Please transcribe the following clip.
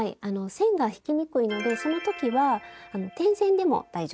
線が引きにくいのでそのときは点線でも大丈夫です。